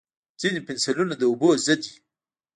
ځینې پنسلونه د اوبو ضد وي.